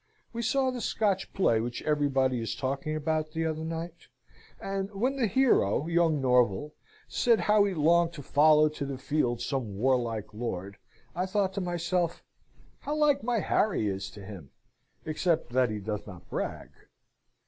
We saw the Scotch play which everybody is talking about t'other night. And when the hero, young Norval, said how he longed to follow to the field some warlike lord, I thought to myself, 'how like my Harry is to him, except that he doth not brag.'